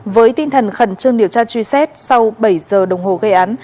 với tinh thần khẩn trương điều tra truy xét sau bảy giờ đồng hồ gây án